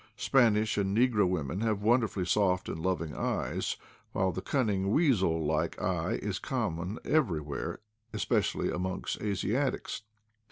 Spanish and negro women have wonderfully soft and loving eyes, while the cunning weasel like eye is common every where, especially amongst Asiatics.